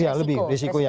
iya lebih risiko ya